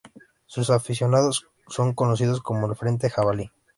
Sus aficionados son conocidos como el Frente Jabalí.